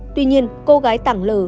tuy nhiên cô gái tảng lờ